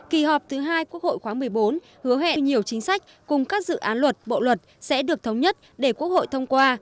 kỳ họp thứ hai quốc hội khóa một mươi bốn hứa hẹn nhiều chính sách cùng các dự án luật bộ luật sẽ được thống nhất để quốc hội thông qua